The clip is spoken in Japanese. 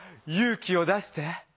気を出して。